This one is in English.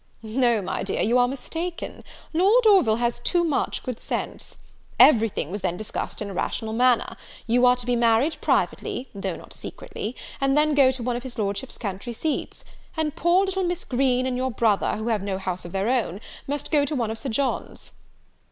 "No, my dear, you are mistaken; Lord Orville has too much good sense. Everything was then discussed in a rational manner. You are to be married privately, though not secretly, and then go to one of his Lordship's country seats: and poor little Miss Green and your brother, who have no house of their own, must go to one of Sir John's."